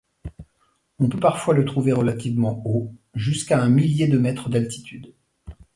On peut parfois le trouver relativement haut, jusqu'à un millier de mètres d'altitude.